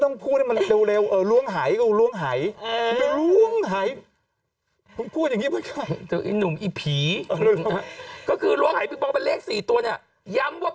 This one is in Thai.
ถ้าไม่เคยล้วงแต่หลวงหลวงไหหยเออหลวงไหอย่ให้เลขสี่ตัวเนี่ยยังว่า